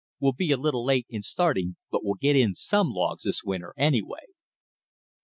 We'll be a little late in starting, but we'll get in SOME logs this winter, anyway." PART III.